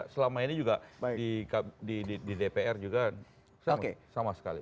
selama ini juga di dpr juga sama sekali